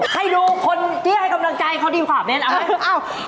ให้ดูคนที่ให้กำลังใจเขาดีกว่าเน้นเอา